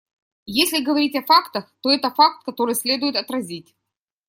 Если говорить о фактах, то это факт, который следует отразить.